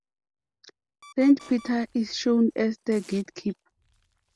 Saint Peter is shown as the gatekeeper.